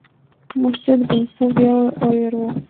Моштет гын, пу веле... ойырло...